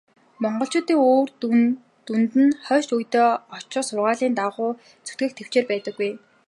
Монголчуудад үр дүн нь хойч үедээ очих сургаалын дагуу зүтгэх тэвчээр байдаггүй.